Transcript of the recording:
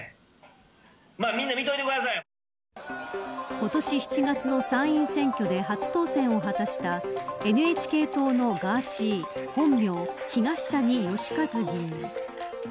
今年７月の参院選挙で初当選を果たしたＮＨＫ党のガーシー本名、東谷義和議員。